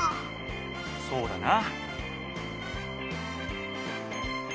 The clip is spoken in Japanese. そうだな。